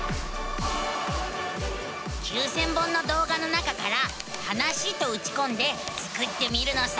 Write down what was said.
９，０００本の動画の中から「はなし」とうちこんでスクってみるのさ。